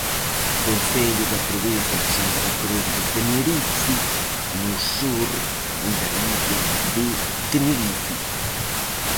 Concello da provincia de Santa Cruz de Tenerife, no sur da illa de Tenerife.